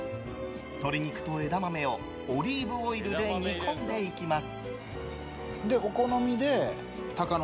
鶏肉と枝豆をオリーブオイルで煮込んでいきます。